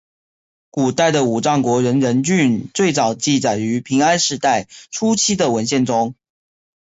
古代的武藏国荏原郡最早记载于平安时代初期的文献中。